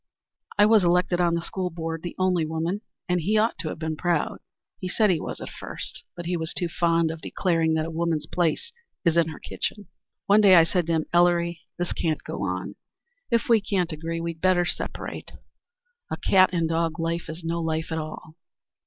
I was elected on the school board the only woman and he ought to have been proud. He said he was, at first, but he was too fond of declaring that a woman's place is in her kitchen. One day I said to him, 'Ellery, this can't go on. If we can't agree we'd better separate. A cat and dog life is no life at all.'